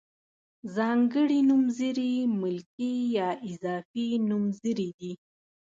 ځانګړي نومځري ملکي یا اضافي نومځري دي.